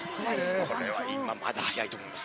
これは今まだ早いと思います。